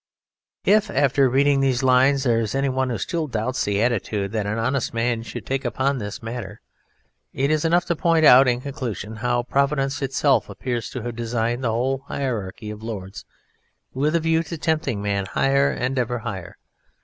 If after reading these lines there is anyone who still doubts the attitude that an honest man should take upon this matter, it is enough to point out in conclusion how Providence itself appears to have designed the whole hierarchy of Lords with a view to tempting man higher and ever higher.